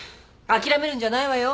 諦めるんじゃないわよ。